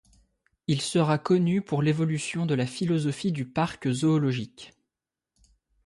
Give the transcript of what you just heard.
Il sera connu pour l'évolution de la philosophie du parc zoologique.